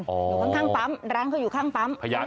อยู่ข้างปั๊มร้านเขาอยู่ข้างปั๊ม